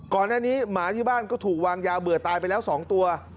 ก่อนหน้านี้หมาที่บ้านก็ถูกวางยาเบื่อตายไปแล้ว๒ตัว